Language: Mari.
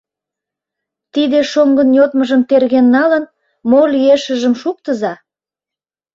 «Тиде шоҥгын йодмыжым терген налын, мо лиешыжым шуктыза».